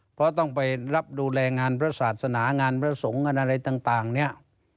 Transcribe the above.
เพราะต้องไปรับดูแลงานพระศาสนางานพระสงฆ์งานอะไรต่างเนี่ย